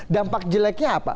dampak jeleknya apa